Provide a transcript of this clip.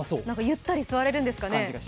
ゆったり座れるんですかね。